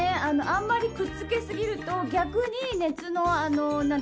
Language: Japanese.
あんまりくっつけすぎると逆に熱の。